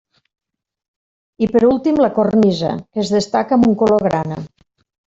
I per últim la cornisa, que es destaca amb un color grana.